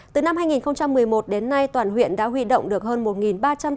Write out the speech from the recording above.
từ năm hai nghìn một mươi một đến nay toàn huyện đã huy động được hơn